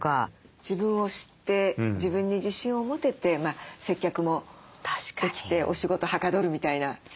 自分を知って自分に自信を持てて接客もできてお仕事はかどるみたいな。